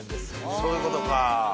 そういうことか。